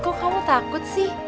kok kamu takut sih